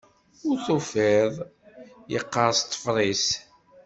Ur tufiḍ... yeqqers ṭṭfer-is.